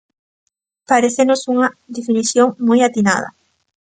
Parécenos unha definición moi atinada.